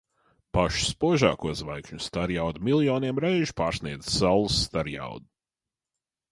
Pašu spožāko zvaigžņu starjauda miljoniem reižu pārsniedz Saules starjaudu.